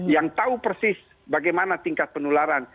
yang tahu persis bagaimana tingkat penularan